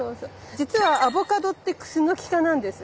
じつはアボカドってクスノキ科なんです。